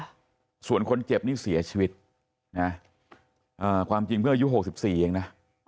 ค่ะส่วนคนเจ็บนี่เสียชีวิตนะอ่าความจริงเพื่อนอายุหกสิบสี่เองนะ